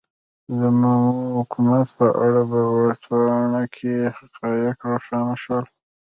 د مومو حکومت په اړه په ورځپاڼه کې حقایق روښانه شول.